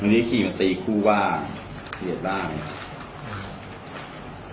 วันนี้ขี่มาตีคู่บ้างเหลียดร่างอย่างนี้ครับ